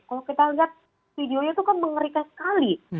kalau kita lihat videonya itu kan mengerikan sekali